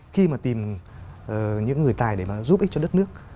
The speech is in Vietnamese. khi mà tìm những người tài để mà giúp ích cho đất nước